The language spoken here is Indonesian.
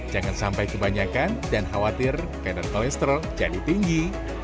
jangan sampai kebanyakan dan khawatir kadar kolesterol jadi tinggi